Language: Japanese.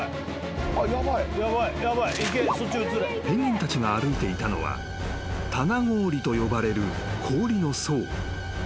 ［ペンギンたちが歩いていたのは棚氷と呼ばれる氷の層］